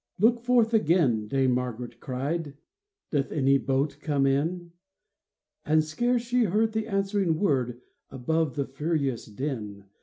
" Look forth again," Dame Margaret cried ;'^ Doth any boat come in ?" And scarce she heard the answering word Above the furious din.